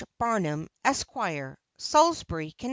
BARNUM, Esq., Salisbury, Conn.